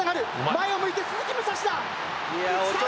前を向いて鈴木武蔵だ。